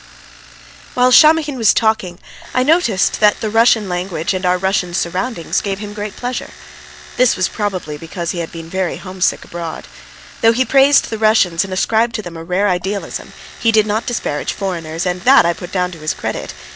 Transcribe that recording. While Shamohin was talking I noticed that the Russian language and our Russian surroundings gave him great pleasure. This was probably because he had been very homesick abroad. Though he praised the Russians and ascribed to them a rare idealism, he did not disparage foreigners, and that I put down to his credit.